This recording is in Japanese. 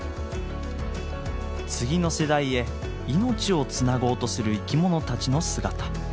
次の世代へ命をつなごうとする生き物たちの姿。